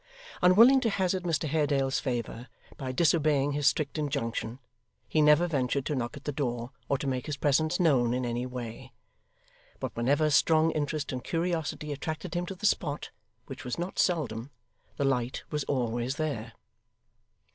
Unwilling to hazard Mr Haredale's favour by disobeying his strict injunction, he never ventured to knock at the door or to make his presence known in any way. But whenever strong interest and curiosity attracted him to the spot which was not seldom the light was always there.